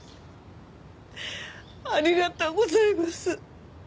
ありがとうございます！